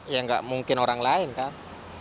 ya nggak mungkin orang lain kan